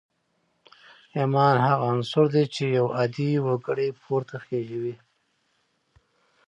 ایمان هغه عنصر دی چې یو عادي وګړی پورته خېژوي